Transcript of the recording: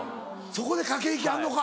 そこで駆け引きあんのか。